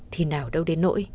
thì nào đâu đến nỗi